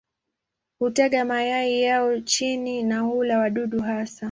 Hutaga mayai yao chini na hula wadudu hasa.